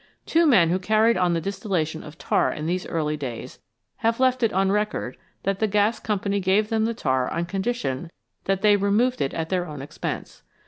Two men who carried on the distillation of tar in these early days have left it on record that the gas company gave them the tar on condition that they removed it at their own expense.